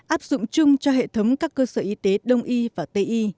áp dụng chung cho hệ thống các cơ sở y tế đông y và tây y